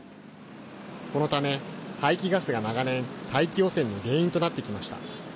このため、排気ガスが長年大気汚染の原因となってきました。